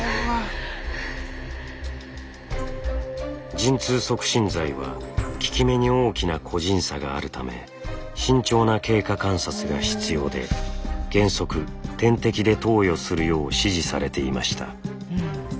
陣痛促進剤は効き目に大きな個人差があるため慎重な経過観察が必要で原則点滴で投与するよう指示されていました。